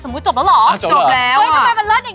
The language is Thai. ไม่เจอเลย